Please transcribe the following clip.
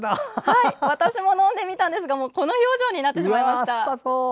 私も飲んでみたんですがこの表情になってしまいました。